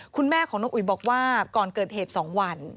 คุณแม่ของน้องอุ๋ยบอกว่าก่อนเกิดเหตุ๒วัน